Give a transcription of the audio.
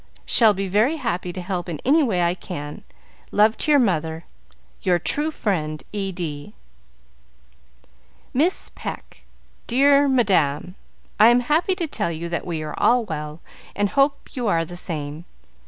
Shall be very happy to help in any way I can. Love to your mother. Your true friend, "E.D." "Miss Pecq. "Dear Madam, I am happy to tell you that we are all well, and hope you are the same.